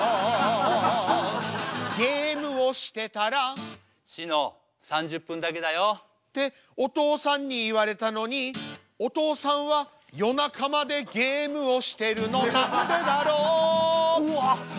ゲームをしてたらしの３０分だけだよ。ってお父さんに言われたのにお父さんは夜中までゲームをしてるのなんでだろううわ！